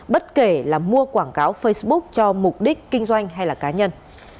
bất kể là mua quảng cáo facebook cho mục đích kinh doanh hay là cá nhân